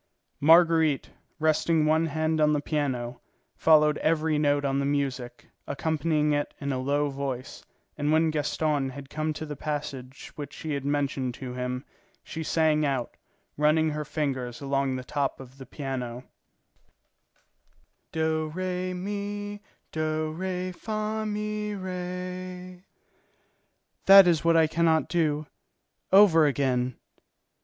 Marguerite, resting one hand on the piano, followed every note on the music, accompanying it in a low voice, and when Gaston had come to the passage which she had mentioned to him, she sang out, running her fingers along the top of the piano: "Do, re, mi, do, re, fa, mi, re; that is what I can not do. Over again."